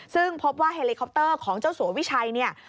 ซึ่งพบว่าเฮลิคอปเตอร์ของเจ้าสัววิชัยเนี่ย